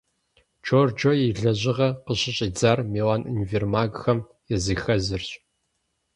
Джорджио и лэжьыгъэр къыщыщӀидзар Милан универмагхэм языхэзырщ.